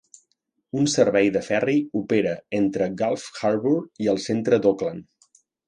Un servei de ferri opera entre Gulf Harbour i el centre d'Auckland.